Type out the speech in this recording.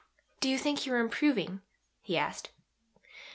Do you think you are improving? he asked.